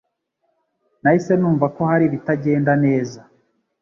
Nahise numva ko hari ibitagenda neza.